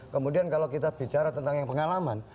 kemudian kalau kita bicara tentang yang pengalaman